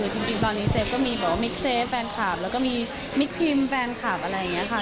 จริงตอนนี้เซฟก็มีบอกว่ามิกเซฟแฟนคลับแล้วก็มีมิดพิมแฟนคลับอะไรอย่างนี้ค่ะ